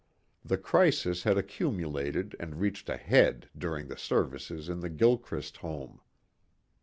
The crisis had accumulated and reached a head during the services in the Gilchrist home.